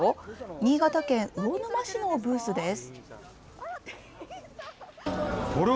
新潟県魚沼市のブースです。